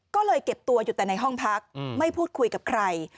ก็เลยเก็บตัวอยู่แต่ในห้องพักไม่พูดคุยกับใคร